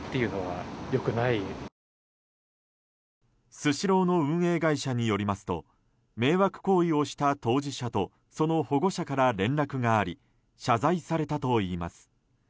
スシローの運営会社によりますと迷惑行為をした当事者とその保護者から連絡があり謝罪されたといいます。